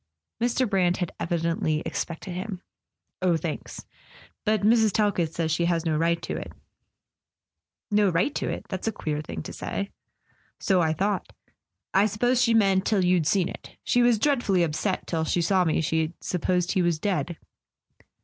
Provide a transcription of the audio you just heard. Mr. Brant had evidently expected him. "Oh, thanks. But Mrs. Talkett says she has no right to it." [ 306 ] A SON AT THE FRONT "No right to it? That's a queer thing to say." "So I thought. I suppose she meant, till you'd seen it. She was dreadfully upset... till she saw me she'd supposed he was dead."